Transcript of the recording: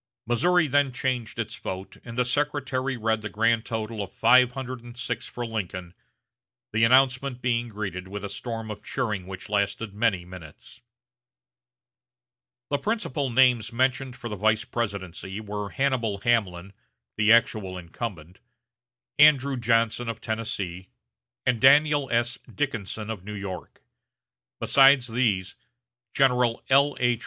Missouri then changed its vote, and the secretary read the grand total of five hundred and six for Lincoln; the announcement being greeted with a storm of cheering which lasted many minutes. The principal names mentioned for the vice presidency were Hannibal Hamlin, the actual incumbent; Andrew Johnson of Tennessee; and Daniel S. Dickinson of New York. Besides these, General L.H.